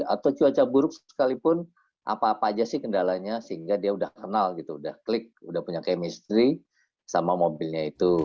atau cuaca buruk sekalipun apa apa saja sih kendalanya sehingga dia sudah kenal sudah klik sudah punya chemistry sama mobilnya itu